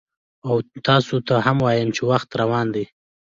او تاسو ته هم وایم چې وخت روان دی،